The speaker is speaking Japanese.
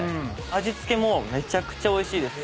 味付けもめちゃくちゃおいしいです。